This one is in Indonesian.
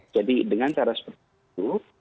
jadi dengan cara seperti itu